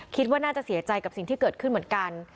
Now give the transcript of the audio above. คิดว่าน่าจะเสียใจกับสิ่งที่เกิดขึ้นเหมือนกัน